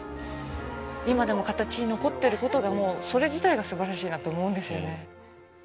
今でも形に残っていることがそれ自体がすばらしいなと思うんですよね。